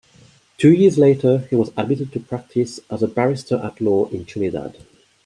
Two years later he was admitted to practice as a barrister-at-law in Trinidad.